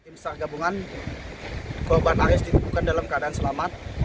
tim sargabungan korban aris ditemukan dalam keadaan selamat